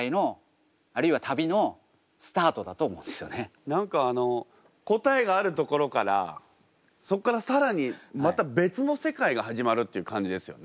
でも何かあの答えがあるところからそっから更にまた別の世界が始まるっていう感じですよね。